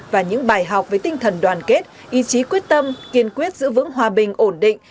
và những bài học với tinh thần đoàn kết ý chí quyết tâm kiên quyết giữ vững hòa bình ổn định